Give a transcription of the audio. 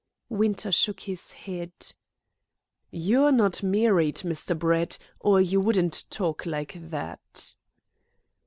Winter shook his head. "You're not married, Mr. Brett, or you wouldn't talk like that."